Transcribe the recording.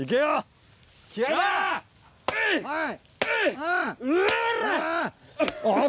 はい。